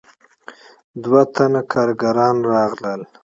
دوه تنه کارګران راغلل.